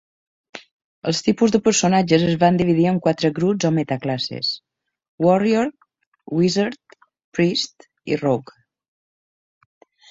Els tipus de personatges es van dividir en quatre grups o "metaclasses": Warrior, Wizard, Priest i Rogue.